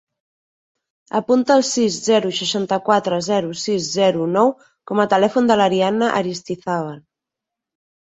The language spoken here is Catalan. Apunta el sis, zero, seixanta-quatre, zero, sis, zero, nou com a telèfon de l'Ariadna Aristizabal.